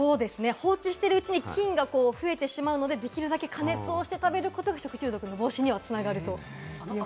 放置してるうちに菌が増えてしまうので、できるだけ加熱をして食べることが食中毒防止には繋がるということです。